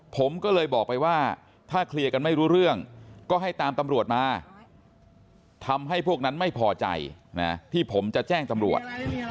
ผมก็เลยบอกไปว่าถ้าเคลียร์กันไม่รู้เรื่องก็ให้ตามตำรวจมาทำให้พวกนั้นไม่พอใจนะที่ผมจะแจ้งตำรวจ